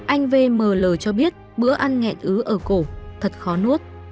anh vml cho biết bữa ăn nhẹ ứ ở cổ thật khó nuốt